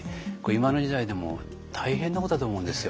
今の時代でも大変なことだと思うんですよ。